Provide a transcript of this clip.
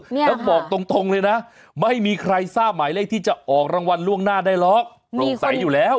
แล้วบอกตรงเลยนะไม่มีใครทราบหมายเลขที่จะออกรางวัลล่วงหน้าได้หรอกโปร่งใสอยู่แล้ว